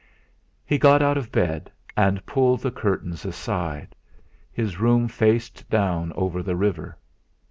He got out of bed and pulled the curtains aside; his room faced down over the river.